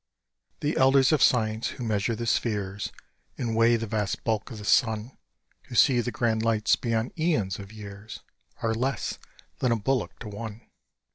The elders of science who measure the spheres And weigh the vast bulk of the sun Who see the grand lights beyond aeons of years, Are less than a bullock to one.